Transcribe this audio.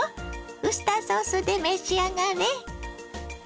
ウスターソースで召し上がれ！